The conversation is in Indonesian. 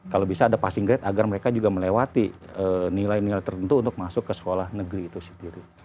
kalau bisa ada passing grade agar mereka juga melewati nilai nilai tertentu untuk masuk ke sekolah negeri itu sendiri